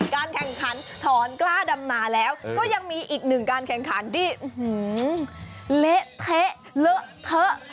การแข่งขันถอนกล้าดำนาแล้วก็ยังมีอีกหนึ่งการแข่งขันที่เละเทะเลอะเทอะ